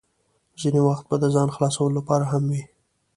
ځینې وخت به د ځان خلاصولو لپاره هم وې.